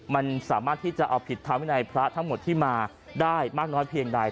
มันสามารถที่จะเอาผิดทางวินัยพระทั้งหมดที่มาได้มากน้อยเพียงใด